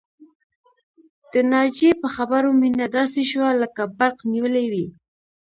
د ناجيې په خبرو مينه داسې شوه لکه برق نيولې وي